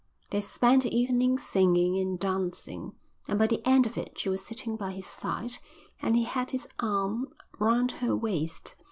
They spent the evening singing and dancing, and by the end of it she was sitting by his side and he had his arm round her waist.